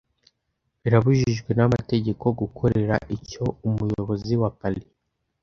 Birabujijwe n'amategeko gukorera icyo Umuyobozi wa Paris